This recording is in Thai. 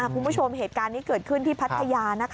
คุณผู้ชมเหตุการณ์นี้เกิดขึ้นที่พัทยา